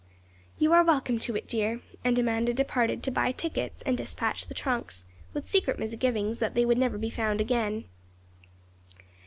'You are welcome to it, dear;' and Amanda departed to buy tickets and despatch the trunks, with secret misgivings that they would never be found again.